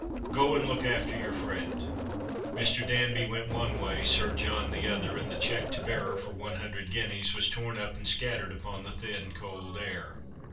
" Go and look after your friend !" Mr. Danby went one way, Sir John the other, and the cheque to bearer for one hundred guineas was torn up and scattered upon the thin cokl air.